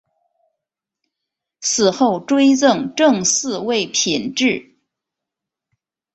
死后追赠正四位品秩。